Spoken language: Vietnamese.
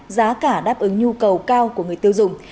giá cả đáp ứng nhu cầu cao của người tiêu dùng